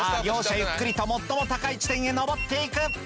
ゆっくりと最も高い地点へのぼっていく！